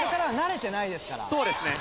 そうですね